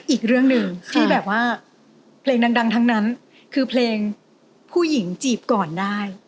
อีกเรื่องหนึ่งที่แบบว่าเพลงดังทั้งนั้นคือเพลงผู้หญิงจีบก่อนได้